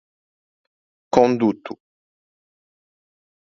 Conduto